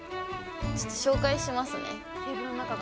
ちょっと紹介しますね。